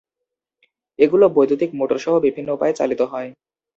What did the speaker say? এগুলো বৈদ্যুতিক মোটরসহ বিভিন্ন উপায়ে চালিত হয়।